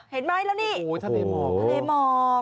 เห็นไหมแล้วนี่ทะเลหมอก